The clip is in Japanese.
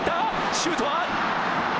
シュートは。